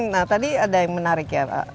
nah tadi ada yang menarik ya